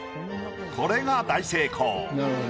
これが大成功。